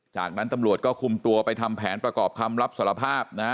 จากนั้นตำรวจก็คุมตัวไปทำแผนประกอบคำรับสารภาพนะฮะ